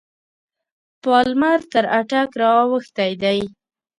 پالمر تر اټک را اوښتی دی.